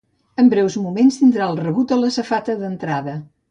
En breus moments tindrà el rebut a la safata d'entrada.